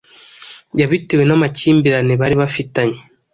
yabitewe n’amakimbirane bari bafitanye